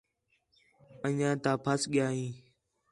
انڄیاں تاں پھس ڳیا ہیں